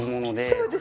そうです。